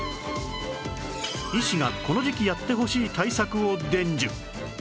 医師がこの時期やってほしい対策を伝授